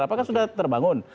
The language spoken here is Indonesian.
apakah sudah terbangun